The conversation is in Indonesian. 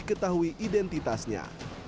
untuk mengetahui identitasnya